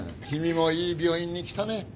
君もいい病院に来たね。